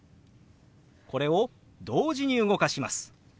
これを同時に動かします。